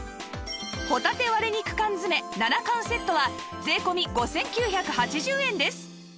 ほたて割肉缶詰７缶セットは税込５９８０円です